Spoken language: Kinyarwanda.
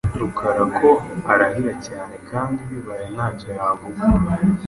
Rukara ko arahira cyane kandi bibaye ntacyo yavuga.